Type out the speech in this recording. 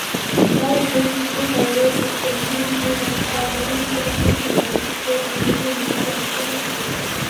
Vaoshoitud põhjaeurooplasel on Türgis võimalik saada unustamatuid kogemusi, eelkõige teenindusvaldkonnas.